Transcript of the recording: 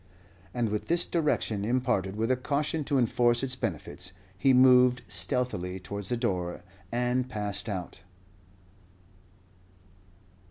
And with this direction, imparted with a caution to enforce its benefits, he moved stealthily towards the door and passed out.